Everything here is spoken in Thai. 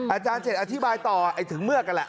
อาจารย์เจ็ดอธิบายต่อถึงเือกนั่นแหละ